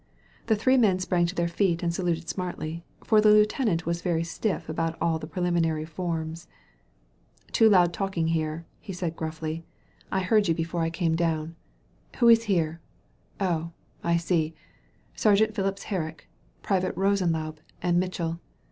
The three men sprang to their feet and saluted smartly, for the lieutenant was very stiff about all the pre liminary forms. "Too loud talking here," he said gruffly. "I 148 THE HEARING EAR heard you before I came^down. Who is here? Oh, I see, Sergeant Phipps Herrick, Privates Rosen laube and Mitchell.